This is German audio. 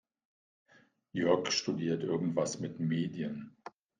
Jörg studiert irgendwas mit Medien.